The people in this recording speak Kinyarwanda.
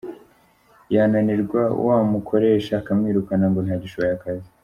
Yananirwa wa mukoresha akamwirukana ngo ntagishoboye akazi.